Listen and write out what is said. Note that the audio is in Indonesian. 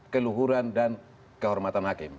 keluhuran dan kehormatan hakim